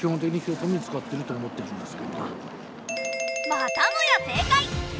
またもや正解！